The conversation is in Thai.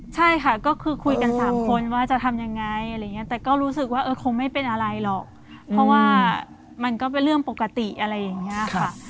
ใช่ค่ะก็คือคุยกันสามคนว่าจะทำยังไงอะไรอย่างนี้แต่ก็รู้สึกว่าเออคงไม่เป็นอะไรหรอกเพราะว่ามันก็เป็นเรื่องปกติอะไรอย่างนี้ค่ะ